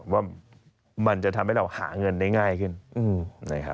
ว่ามันจะทำให้เราหาเงินได้ง่ายขึ้นนะครับ